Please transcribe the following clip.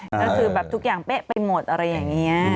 ก็คือแบบทุกอย่างเป๊ะไปหมดอะไรอย่างนี้